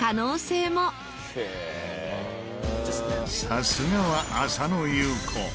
さすがは浅野ゆう子。